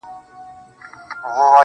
ما خو دا ټوله شپه.